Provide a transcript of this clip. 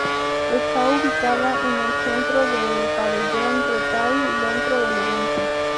Está ubicada en el centro de el Pabellón Retail dentro del evento.